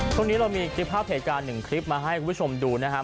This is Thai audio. ช่วงนี้เรามีคลิปภาพเหตุการณ์หนึ่งคลิปมาให้คุณผู้ชมดูนะครับ